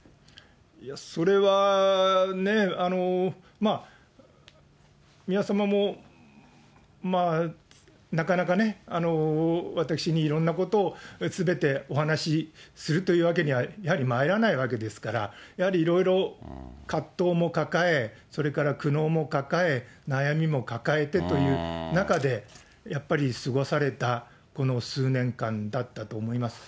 それは、宮さまもまあ、なかなかね、私にいろんなことをすべてお話するというわけにはやはりまいらないわけですから、やはりいろいろ葛藤も抱え、それから苦悩も抱え、悩みも抱えてという中で、やっぱり過ごされたこの数年間だったと思います。